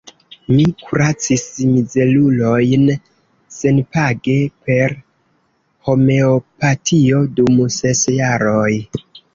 Mi kuracis mizerulojn senpage per homeopatio dum ses jaroj.